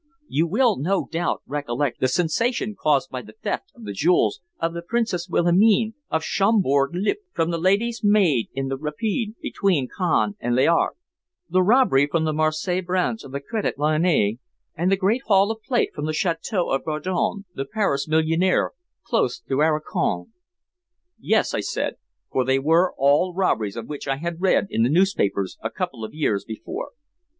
You will no doubt recollect the sensation caused by the theft of the jewels of the Princess Wilhelmine of Schaumbourg Lippe from the lady's maid in the rapide between Cannes and Les Arcs, the robbery from the Marseilles branch of the Crédit Lyonnais, and the great haul of plate from the château of Bardon, the Paris millionaire, close to Arcachon." "Yes," I said, for they were all robberies of which I had read in the newspapers a couple of years before.